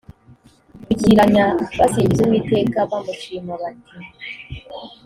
bikiranya basingiza uwiteka bamushima bati